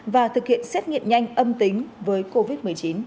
và thực hiện xét nghiệm nhanh âm tính với covid một mươi chín